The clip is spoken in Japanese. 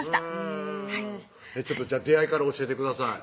へぇじゃあ出会いから教えてください